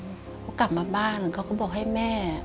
เขากลับมาบ้านเขาก็บอกให้แม่